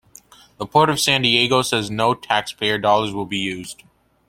The Port of San Diego says no taxpayer dollars will be used.